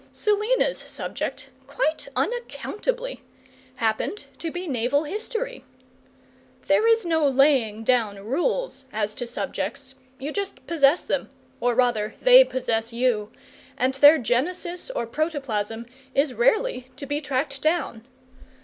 Selina's subject, quite unaccountably, happened to be naval history. There is no laying down rules as to subjects; you just possess them or rather, they possess you and their genesis or protoplasm is rarely to be tracked down.